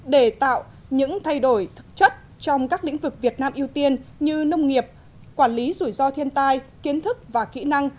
để tạo những thay đổi thực chất trong các lĩnh vực việt nam ưu tiên như nông nghiệp quản lý rủi ro thiên tai kiến thức và kỹ năng